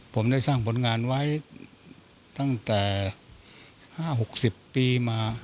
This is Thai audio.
ผมได้สร้างผลงานไว้ตั้งแต่๕๖๐ปีมา